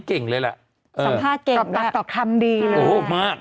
เก่งเลยแหละสัมภาษณ์เก่งตอบปากตอบคำดีเลยโอ้โหมาก